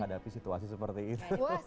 saya dulu deh